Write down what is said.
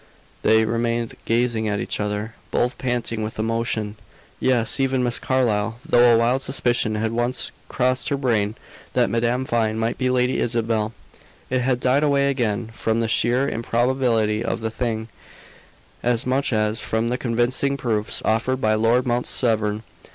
They remained gazing at each other, both panting with emotion; yes, even Miss Carlyle. Though a wild suspicion had once crossed her brain that Madame Vine might be Lady Isabel, it had died away again, from the sheer improbability of the thing, as much as from the convincing proofs offered by Lord Mount Severn.